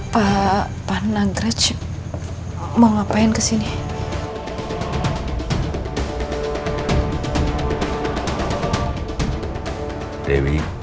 sampai jumpa di video selanjutnya